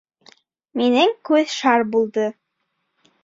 -Минең күҙ шар булды.